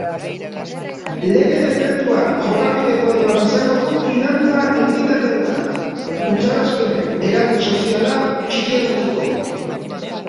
Lege-dekretuak jokabide kode bat izango du finantza entitateentzat, utzarazpenen eragin soziala txikiagotzeko.